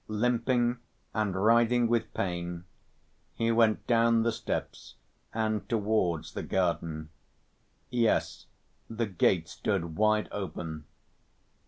Limping and writhing with pain he went down the steps and towards the garden. Yes, the gate stood wide open.